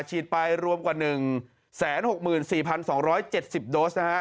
ฉีดไปรวมกว่า๑๖๔๒๗๐โดสนะฮะ